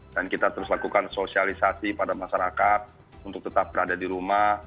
dan kita terus lakukan sosialisasi pada masyarakat untuk tetap berada di rumah